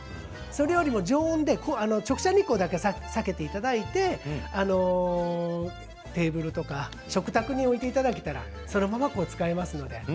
それよりも常温で直射日光だけ避けていただいてテーブルとか食卓に置いていただけたらそのまま使えますので。